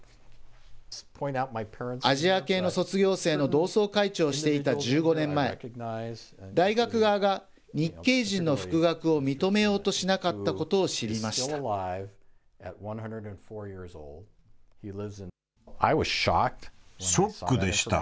アジア系の卒業生の同窓会長をしていた１５年前、大学側が日系人の復学を認めようとしなかったことを知りました。